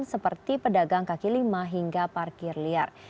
seperti pedagang kaki lima hingga parkir liar